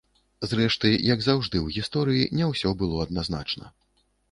Зрэшты, як заўжды ў гісторыі, не ўсё было адназначна.